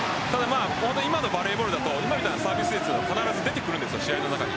今のバレーボールだと今みたいなサービスエースも出てくるんです試合の中に。